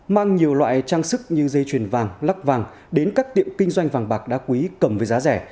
mang nhiều loại trang sức như dây chuyền vàng lắc vàng đến các tiệm kinh doanh vàng bạc đá quý cầm với giá rẻ